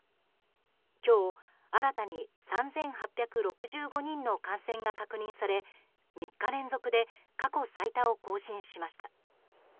今日、新たに３８６５人の感染が確認され３日連続で過去最多を更新しました。